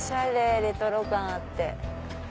レトロ感あって。